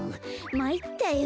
まいったよ。